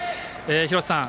廣瀬さん